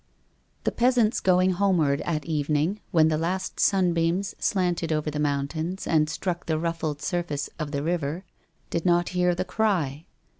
The peasants going homeward at evening, when the last sunbeams slanted over the moun tains and struck the ruffled surface of the river, did not hear the cry.